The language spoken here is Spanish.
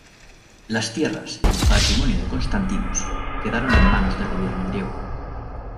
Las tierras y el patrimonio de Konstantinos quedaron en manos del gobierno griego.